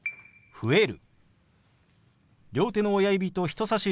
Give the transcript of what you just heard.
「増える」。